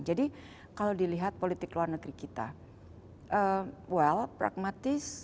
jadi kalau dilihat politik luar negeri kita well pragmatis